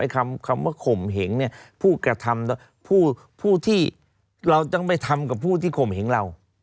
คำว่าข่มเหงผู้กระทำผู้ที่เราต้องไปทำกับผู้ที่ข่มเหงเรา